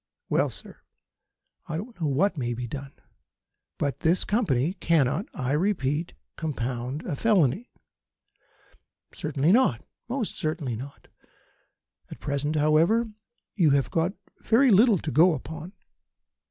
Well, sir, I don't know what may be done; but this Company cannot, I repeat, compound a felony." "Certainly not. Most certainly not. At present, however, you have got very little to go upon.